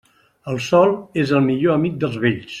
El sol és el millor amic dels vells.